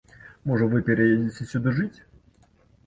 Можа вы пераедзеце сюды жыць?